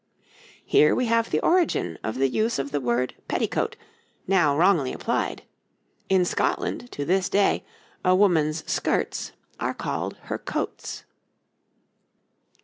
Here we have the origin of the use of the word 'petticoat' now wrongly applied; in Scotland, to this day, a woman's skirts are called her 'coats.'